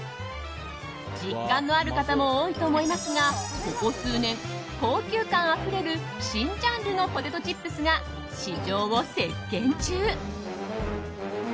実感のある方も多いと思いますがここ数年高級感あふれる新ジャンルのポテトチップスが市場を席巻中。